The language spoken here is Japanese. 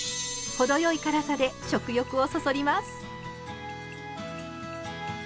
程よい辛さで食欲をそそります。